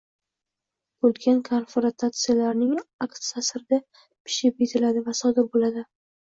bo‘lgan konfrantatsiyalarning aks ta’sirida pishib yetiladi va sodir bo‘ladi.